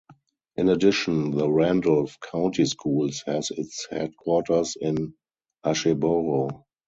In addition the Randolph County Schools has its headquarters in Asheboro.